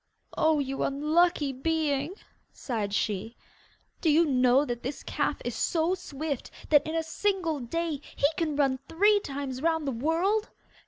'Oh, you unlucky being!' sighed she. 'Do you know that this calf is so swift that in a single day he can run three times round the world?